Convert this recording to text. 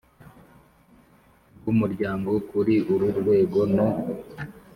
bw umuryango kuri uru rwego no